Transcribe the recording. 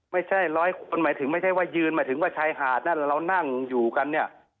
ไม่ใช่ร้อยคนหมายถึงไม่ใช่ว่ายืนหมายถึงว่าชายหาดนั่นเรานั่งอยู่กันเนี่ย